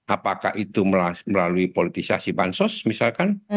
apakah itu melalui politisasi bansos misalkan